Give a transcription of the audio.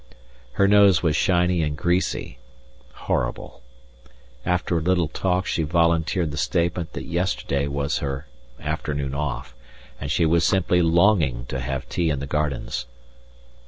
Her nose was shiny and greasy horrible. After a little talk she volunteered the statement that yesterday was her afternoon off, and she was simply longing to have tea in the gardens.